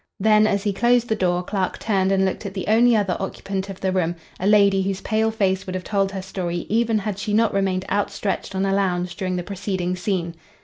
Then, as he closed the door, Clark turned and looked at the only other occupant of the room, a lady whose pale face would have told her story even had she not remained outstretched on a lounge during the preceding scene.